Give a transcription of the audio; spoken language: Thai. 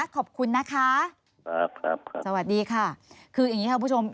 ขอบคุณนะคะครับสวัสดีค่ะคืออย่างนี้ค่ะคุณผู้ชม